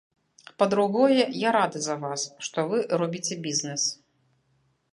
Па-другое, я рады за вас, што вы робіце бізнэс.